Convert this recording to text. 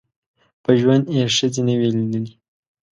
په ژوند یې ښځي نه وې لیدلي